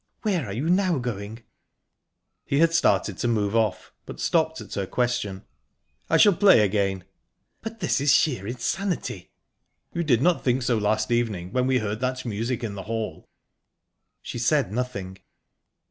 "Where are you now going?" He had started to move off, but stopped at her question. "I shall play again." "But this is sheer insanity." "You did not think so last evening, when we heard that music in the hall." She said nothing.